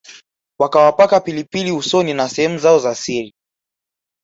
wakawapaka pilipili usoni na sehemu zao za siri